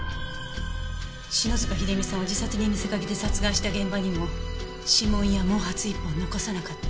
篠塚秀実さんを自殺に見せかけて殺害した現場にも指紋や毛髪一本残さなかった。